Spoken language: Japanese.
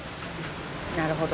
なるほど。